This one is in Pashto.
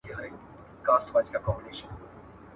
• خر په اته، کوټى ئې په شپېته.